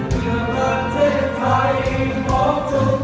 เพื่อประเทศไทยของทุกคน